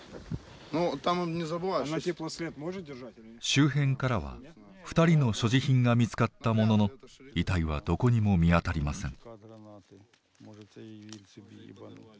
周辺からは２人の所持品が見つかったものの遺体はどこにも見当たりません。